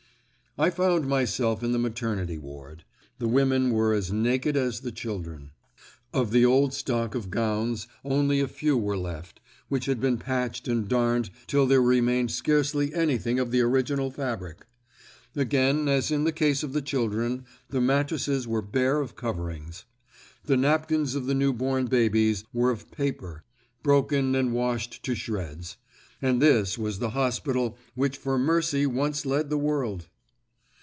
I found myself in the maternity ward. The women were as naked as the children. Of the old stock of gowns only a few were left, which had been patched and darned till there remained scarcely anything of the original fabric. Again, as in the case of the children, the mattresses were bare of coverings. The napkins of the new born babies were of paper, broken and washed to shreds. And this was the hospital which for mercy once led the world!